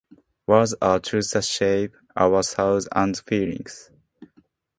Words are tools that shape our thoughts and feelings.